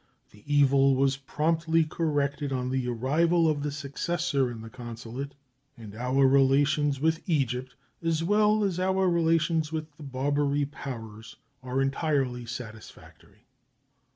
The evil was promptly corrected on the arrival of the successor in the consulate, and our relations with Egypt, as well as our relations with the Barbary Powers, are entirely satisfactory.